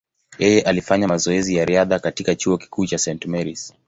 Yeye alifanya mazoezi ya riadha katika chuo kikuu cha St. Mary’s.